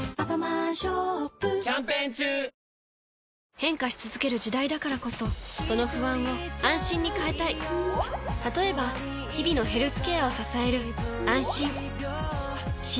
変化し続ける時代だからこそその不安を「あんしん」に変えたい例えば日々のヘルスケアを支える「あんしん」